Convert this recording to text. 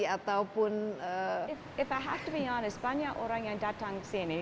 kalau saya harus jujur banyak orang yang datang ke sini